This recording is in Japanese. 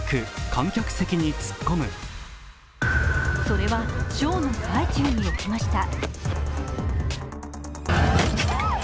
それはショーの最中に起きました。